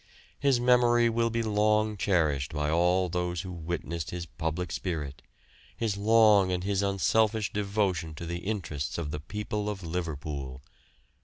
His memory will be long cherished by all those who witnessed his public spirit, his long and his unselfish devotion to the interests of the people of Liverpool.